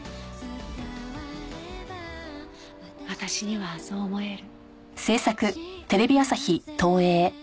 私にはそう思える。